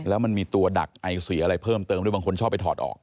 แล้วมันมีตัวดักไอสีอะไรเพิ่มเติมด้วยบางคนชอบไปถอดออก